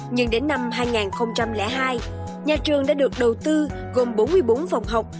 nhưng đến năm hai nghìn hai nhà trường đã được đầu tư gồm bốn mươi bốn phòng học